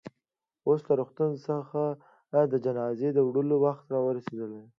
اوس له روغتون څخه د جنازې د وړلو وخت رارسېدلی و.